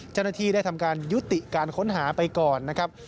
เจ้าหน้าที่ได้ทำการยุติการค้นหาไปก่อนนะครับ